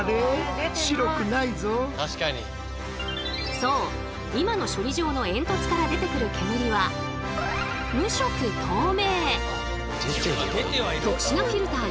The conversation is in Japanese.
そう今の処理場の煙突から出てくる煙は無色透明！